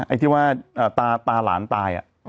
ไอ้ที่ว่าตาหลานตาย